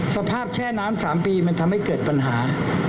แช่น้ำ๓ปีมันทำให้เกิดปัญหา